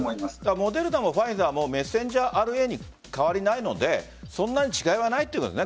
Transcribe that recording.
モデルナもファイザーもメッセンジャーＲＮＡに変わりないのでそんなに違いはないということですね。